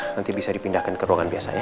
nanti bisa dipindahkan ke ruangan biasa ya